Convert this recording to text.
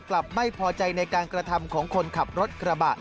กลับไม่พอใจในการกระทำของคนขับรถกระบะ